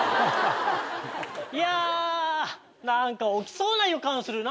いや何か起きそうな予感するなあ。